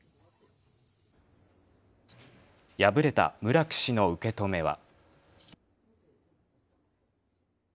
敗れた村木氏の受け止めは。